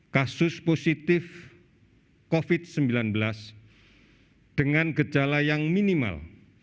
kasus positif covid sembilan belas dengan gejala yang minimal